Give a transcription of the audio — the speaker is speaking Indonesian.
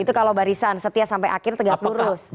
itu kalau barisan setia sampai akhir tegak lurus